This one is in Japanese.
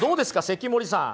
関森さん